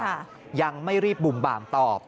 อะไรหรือเปล่ายังไม่รีบบุ่มบ่ามตอบ